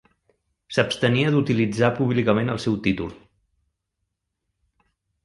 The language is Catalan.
S'abstenia d'utilitzar públicament el seu títol.